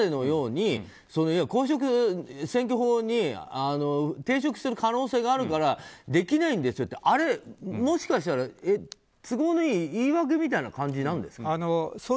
ただ、公職選挙法に抵触する可能性があるからできないんですよってあれ、もしかしたら都合のいい言い訳みたいな感じなんですか？